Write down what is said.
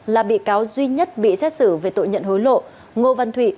là bị cáo duy nhất bị xét xử về tội nhận hối lộ ngô văn thụy